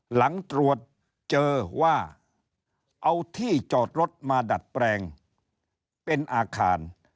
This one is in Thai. หลังตรวจเจอว่าเอาที่จอดรถมาดัดแปลงเป็นอาคาร